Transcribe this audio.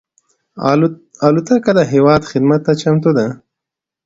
الوتکه د هېواد خدمت ته چمتو ده.